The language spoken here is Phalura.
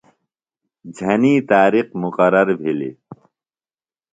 جھنی تارِخ مقرر بِھلیۡ۔